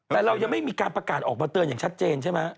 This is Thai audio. แต่เรายังไม่มีการประกาศออกมาเตือนอย่างชัดเจนใช่ไหม